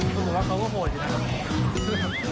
คุณบอกว่าเขาก็โหดจริงนะครับ